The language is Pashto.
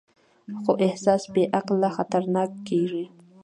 خو احساس بېعقله خطرناک کېږي.